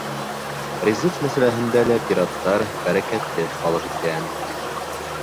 Ризыҡ мәсьәләһендә лә пираттар бәрәкәтһеҙ халыҡ икән.